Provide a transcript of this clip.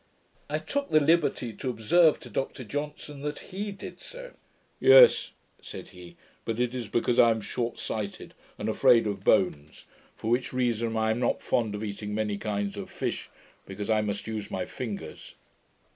I took the liberty to observe to Dr Johnson, that he did so. 'Yes,' said he; 'but it is because I am short sighted, and afraid of bones, for which reason I am not fond of eating many kinds of fish, because I must use my fingers.'